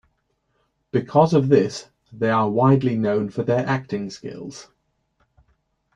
Because of this, they are widely known for their acting skills.